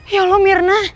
ya allah mirna